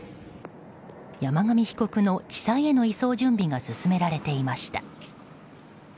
山上被告の地裁への移送準備が進められていました。